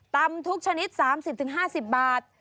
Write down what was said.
ตำทุกชนิด๓๐๕๐บาท